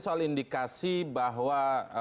soal indikasi bahwa